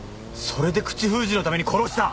それで口封じのために殺した！